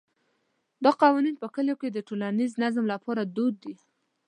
دا قوانین په کلیو کې د ټولنیز نظم لپاره دود دي.